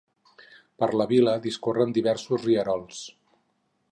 Per la vila discorren diversos rierols.